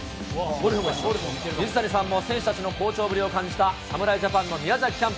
水谷さんも選手たちの好調ぶりを感じた侍ジャパンの宮崎キャンプ。